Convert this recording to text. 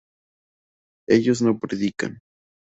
ellos no predican